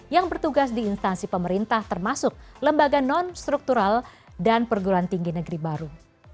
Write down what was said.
yang bertugas di instansi pemerintah termasuk lembaga non struktural dan perguruan tinggi negeri baru